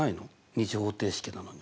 ２次方程式なのに。